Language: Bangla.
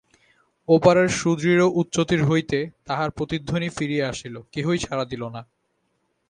ও পারের সুদূর উচ্চতীর হইতে তাহার প্রতিধ্বনি ফিরিয়া আসিল–কেহই সাড়া দিল না।